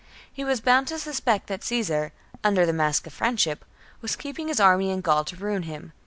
He was bound to suspect that Caesar, under the mask of friendship, was keeping his army in Gaul to ruin him.